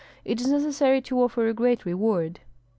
It is necessary to offer a great reward."